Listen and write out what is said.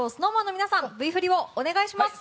ＳｎｏｗＭａｎの皆さんＶ振りをお願いします。